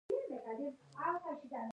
د امیل کلا په لوګر کې لرغونې ده